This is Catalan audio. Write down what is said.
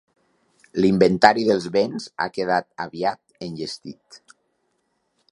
L'inventari dels béns ha quedat aviat enllestit.